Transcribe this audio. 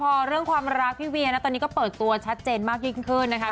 พอเรื่องความรักพี่เวียนะตอนนี้ก็เปิดตัวชัดเจนมากยิ่งขึ้นนะคะ